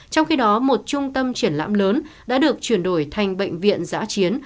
trong khi đó một trung tâm triển lãm lớn đã được chuyển đổi thành bệnh viện giã chiến